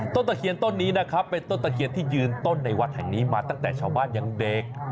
ตะเคียนต้นนี้นะครับเป็นต้นตะเคียนที่ยืนต้นในวัดแห่งนี้มาตั้งแต่ชาวบ้านยังเด็ก